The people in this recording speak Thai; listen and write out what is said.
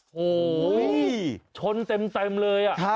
โอ้โหชนเต็มเลย